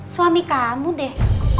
suami kamu deh